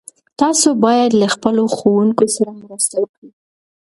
تاسو باید له خپلو ښوونکو سره مرسته وکړئ.